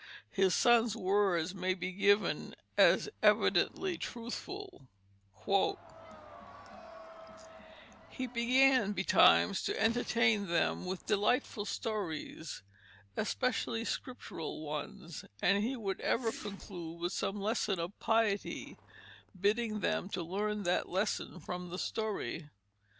His son's words may be given as evidently truthful: "He began betimes to entertain them with delightful stories, especially Scriptural ones; and he would ever conclude with some lesson of piety bidding them to learn that lesson from the story.